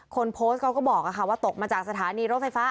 คนโพสต์เขาก็บอกว่าตกมาจากสถานีรถไฟฟ้า